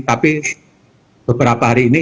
tapi beberapa hari ini